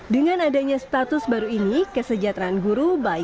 dengan adanya status baru ini kesejahteraan guru baik